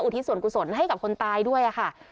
ทิศส่วนกุศลให้กับคนตายด้วยค่ะ